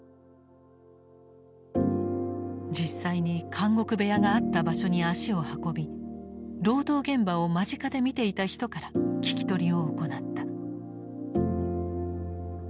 実際に「監獄部屋」があった場所に足を運び労働現場を間近で見ていた人から聞き取りを行った。